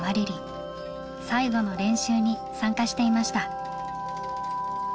最後の練習に参加していました。